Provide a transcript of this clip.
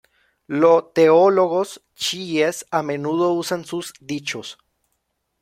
Lo teólogos chiíes a menudo usan sus dichos.